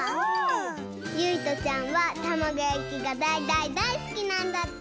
ゆいとちゃんはたまごやきがだいだいだいすきなんだって！